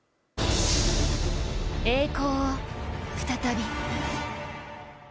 栄光を再び。